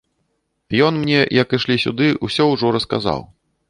Ён мне, як ішлі сюды, усё ўжо расказаў.